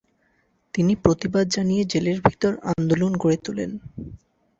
তিনি প্রতিবাদ জানিয়ে জেলের ভিতর আন্দোলন গড়ে তােলেন।